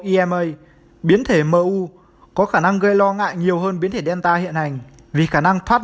ima biến thể mu có khả năng gây lo ngại nhiều hơn biến thể delta hiện hành vì khả năng thoát